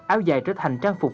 áo dài trở thành trang phục